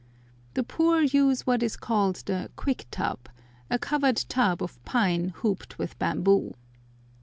The poor use what is called the "quick tub," a covered tub of pine hooped with bamboo.